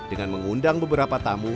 dengan mengundang beberapa tamu